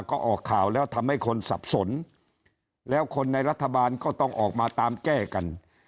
ก็ออกข่าวแล้วทำให้คนสับสนแล้วคนในรัฐบาลก็ต้องออกมาตามแก้กัน